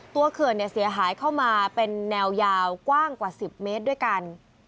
เขื่อนเสียหายเข้ามาเป็นแนวยาวกว้างกว่า๑๐เมตรด้วยกัน